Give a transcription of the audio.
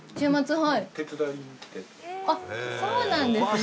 あっそうなんですね